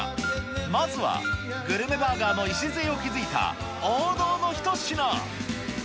まずは、グルメバーガーの礎を築いた王道の一品。